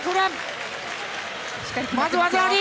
まず技あり！